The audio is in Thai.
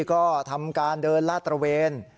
ก็ทำการเดินลาดตระเวน